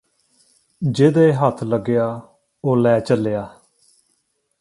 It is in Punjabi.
ਜਿਹਦੇ ਹੱਥ ਲੱਗਿਆ ਉਹ ਲੈ ਚੱਲਿਆ